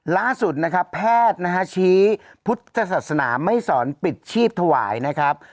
ล่าสุดแพทย์ใช้พฤตศาสนาไม่สอนปิดชีพถวายนะครับ